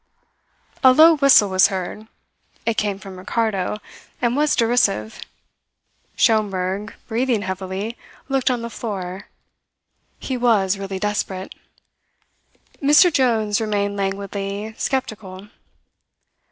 A low whistle was heard. It came from Ricardo, and was derisive. Schomberg, breathing heavily, looked on the floor. He was really desperate. Mr. Jones remained languidly sceptical.